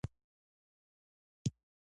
آیا دوی معلولینو ته اسانتیاوې نه برابروي؟